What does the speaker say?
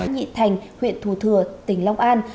nghị thành huyện thù thừa tỉnh long an